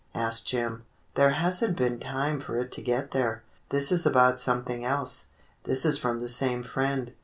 ^" asked Jim. "There has n't been time for it to get there. This is about something else. This is from the same friend.